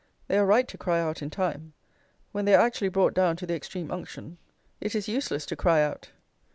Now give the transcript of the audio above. They are right to cry out in time. When they are actually brought down to the extreme unction it is useless to cry out.